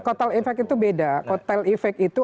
kotel efek itu beda kotel efek itu